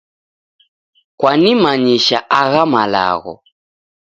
Kwanimanyisha agha malagho